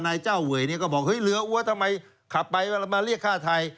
นายเจ้าเวยเนี่ยก็บอกเฮ้ยเหลืออัวทำไมขับไปแล้วมาเรียกฆ่าไทย